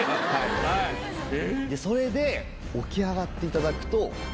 それで起き上がって頂くと。